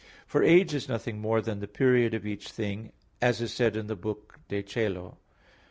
For age is nothing more than the period of each thing, as is said in the book De Coelo i.